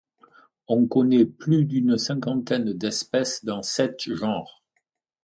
On connaît plus d'une cinquantaine d'espèces dans sept genres.